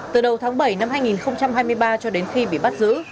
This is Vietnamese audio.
từ đầu tháng bảy năm hai nghìn hai mươi ba cho đến khi bị bắt giữ